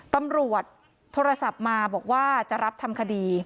ตำรวจโทรศัพท์มาบอกว่าจะรับทำคดี